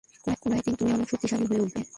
কোনো একদিন তুমি অনেক শক্তিশালী হয়ে উঠবে।